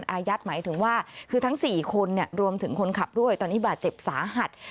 อายัดหมายถึงว่าคือทั้ง๔คนรวมถึงคนขับด้วยตอนนี้บาดเจ็บสาหัส